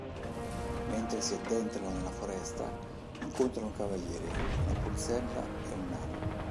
Mentre si addentrano nella foresta incontrano un cavaliere, una pulzella e un nano.